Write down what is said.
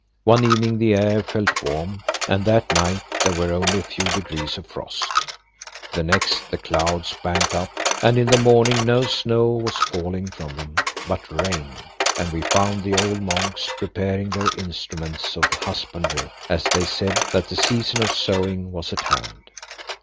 One evening the air felt warm, and that night there were only a few degrees of frost. The next the clouds banked up, and in the morning not snow was falling from them, but rain, and we found the old monks preparing their instruments of husbandry, as they said that the season of sowing was at hand.